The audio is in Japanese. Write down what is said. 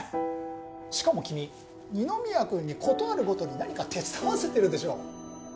しかも君二宮君に事あるごとに何か手伝わせてるでしょ。